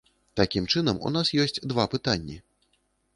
Такім чынам, у нас ёсць два пытанні.